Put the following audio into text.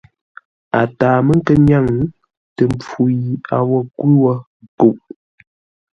A taa mə́ nkə́ nyáŋ tə mpfu yi a wo nkwʉ́ wó kuʼ.